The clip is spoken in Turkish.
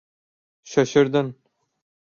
Şaşırdın.